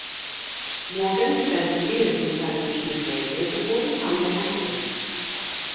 Morgan spent years in television and radio before becoming an actress.